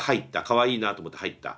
かわいいなと思って入った？